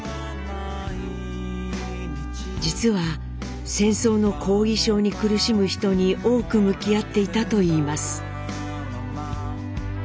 実は戦争の後遺症に苦しむ人に多く向き合っていたといいます。